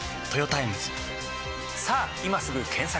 さぁ今すぐ検索！